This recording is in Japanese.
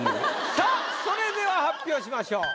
さあそれでは発表しましょう。